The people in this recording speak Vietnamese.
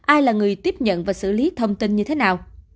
ai là người tiếp nhận và xử lý thông tin như thế nào